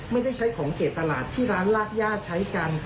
ไม่ได้ใช้ของเกรดตลาดที่ร้านรากย่าใช้กัน